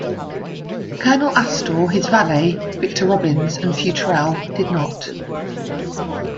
Colonel Astor, his valet, Victor Robbins, and Futrelle did not.